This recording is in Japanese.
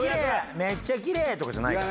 めっちゃきれいとかじゃないから。